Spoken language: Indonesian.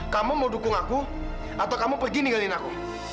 kamu mau dukung aku atau kamu pergi ninggalin aku